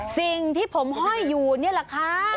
สิ่งที่ผมห้อยอยู่นี่แหละค่ะ